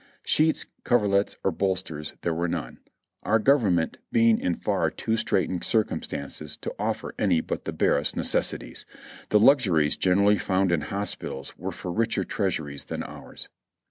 Sheets, coverlets or bolsters there were none, our Government being in far too straitened circumstances to offer any but the barest necessities. The luxuries generally found in hospitals were for richer treasuries than ours.